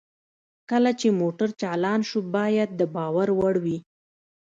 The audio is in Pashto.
کله چې موټر چالان شو باید د باور وړ وي